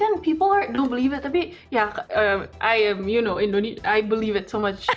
saya merasa seperti di sini kan orang tidak percaya tapi saya anda tahu orang indonesia saya sangat percaya